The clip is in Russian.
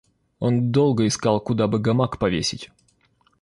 Он долго искал, куда бы гамак повесить.